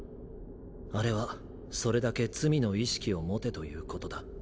あれはそれだけ罪の意識を持てということだ。